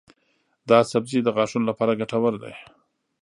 دا سبزی د غاښونو لپاره ګټور دی.